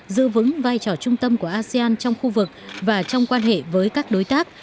giữ vững vai trò trung tâm của asean trong khu vực và trong quan hệ với các đối tác